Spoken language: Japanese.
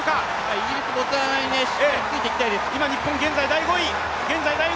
イギリス、ボツワナにしがみついていきたいです。